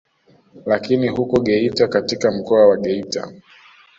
Lakini huko Geita katika mkoa wa Geita